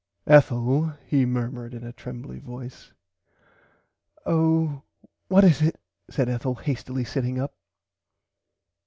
Ethel he murmured in a trembly voice. Oh what is it said Ethel hastily sitting up.